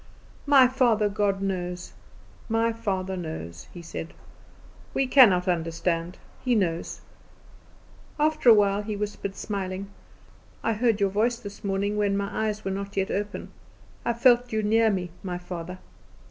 "My father God knows, my father knows," he said; "we cannot understand; He knows." After a while he whispered, smiling "I heard your voice this morning when my eyes were not yet open, I felt you near me, my Father.